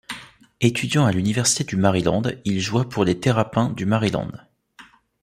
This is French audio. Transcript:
Étudiant à l'université du Maryland, il joua pour les Terrapins du Maryland.